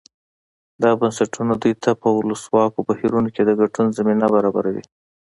دا بنسټونه دوی ته په ولسواکو بهیرونو کې د ګډون زمینه برابروي.